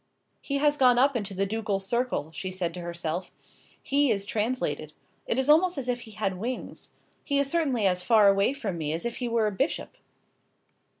"He has gone up into the ducal circle," she said to herself. "He is translated. It is almost as if he had wings. He is certainly as far away from me as if he were a bishop."